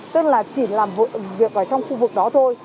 tức là chỉ làm hội việc ở trong khu vực đó thôi